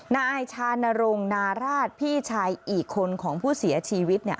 นายชานรงนาราชพี่ชายอีกคนของผู้เสียชีวิต